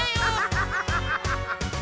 ハハハハ！